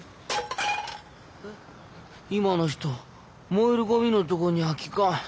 今の人燃えるゴミのとこに空き缶。